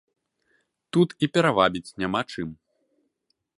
Тут і перавабіць няма чым.